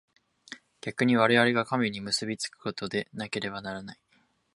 逆に我々が神に結び附くことでなければならない。